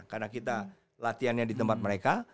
karena kita latihannya di tempat mereka